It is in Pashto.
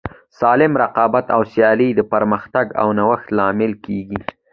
سالم رقابت او سیالي د پرمختګ او نوښت لامل کیږي.